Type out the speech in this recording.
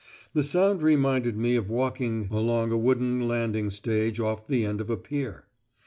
The sound reminded me of walking along a wooden landing stage off the end of a pier.